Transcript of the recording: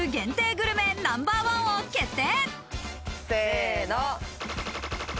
グルメナンバーワンを決定。